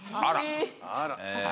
あら。